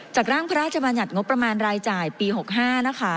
ร่างพระราชบัญญัติงบประมาณรายจ่ายปี๖๕นะคะ